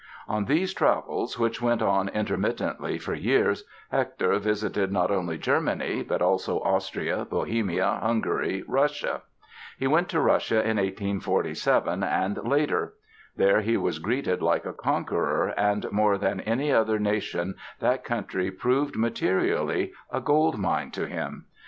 On these travels, which went on intermittently for years, Hector visited not only Germany but also Austria, Bohemia, Hungary, Russia. He went to Russia in 1847 and later. There he was greeted like a conqueror and more than any other nation that country proved, materially, a gold mine to him.